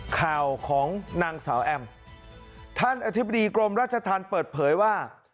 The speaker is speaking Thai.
ข่าวของนางสาวแอมท่านอธิบดีกรมราชธรรมเปิดเผยว่า